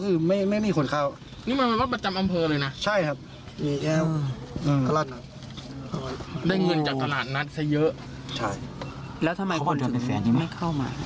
เขาบอกว่าจะเป็นแฟนท์ยี้ไม่เข้ามา